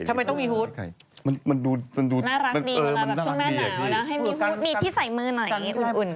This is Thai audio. ทำไมต้องมีฮูตน่ารักดีช่วงแม่หนาวนะให้มีฮูตมีที่ใส่มือหน่อยอุ่น